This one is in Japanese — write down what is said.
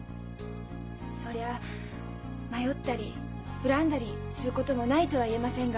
そりゃ迷ったり恨んだりすることもないとは言えませんが。